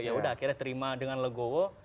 yaudah akhirnya terima dengan legowo